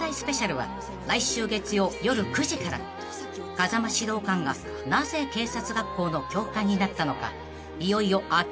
［風間指導官がなぜ警察学校の教官になったのかいよいよ明らかに］